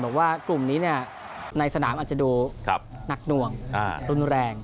บอกว่ากลุ่มนี้ในสนามอาจจะดูหนักหน่วงรุนแรง